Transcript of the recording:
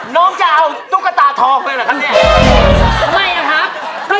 น้องจะเอาตุ๊กตาทองเลยหรอครับแม่